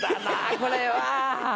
これは。